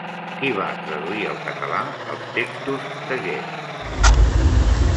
Qui va traduir al català els textos de Goethe?